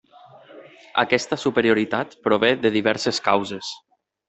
Aquesta superioritat prové de diverses causes.